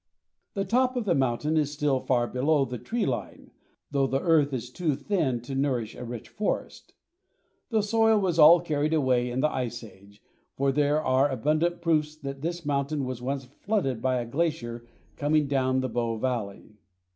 The top of the mountain is still far below the tree line, though the earth is too thin to nourish a rich forest. The soil was all carried away in the Ice Age, for there are abundant proofs that this mountain was once flooded by a glacier coming down the Bow valley.